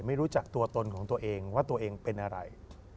ไม่รู้จักตัวตนของตัวเองว่าตัวเองเป็นอะไร